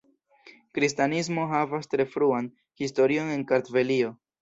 Kristanismo havas tre fruan historion en Kartvelio.